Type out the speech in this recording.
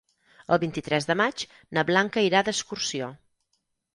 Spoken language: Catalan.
El vint-i-tres de maig na Blanca irà d'excursió.